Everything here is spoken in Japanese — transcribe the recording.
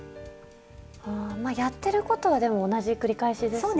あやってることはでも同じ繰り返しですね。